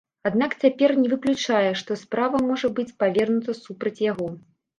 Аднак цяпер не выключае, што справа можа быць павернута супраць яго.